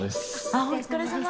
あっお疲れさま。